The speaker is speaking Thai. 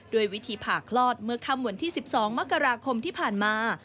ด้วยวิธีผ่าคลอดเมื่อค่ำวันที่๑๒มกราคมที่ผ่านมา